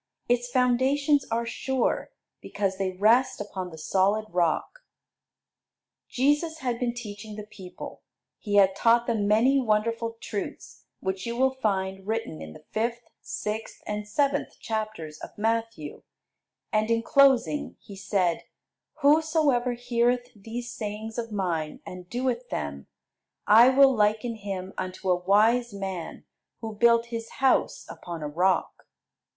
Its foundations are sure, because they rest upon the solid rock. Jesus had been teaching the people. He had taught them many wonderful truths, which you will find written in the fifth, sixth, and seventh chapters of Matthew; and in closing He said, "Whosoever heareth these sayings of mine, and doeth them, I will liken him unto a wise man who built his house upon a rock.